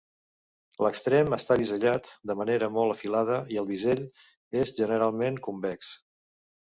L'extrem està bisellat de manera molt afilada i el bisell és generalment convex.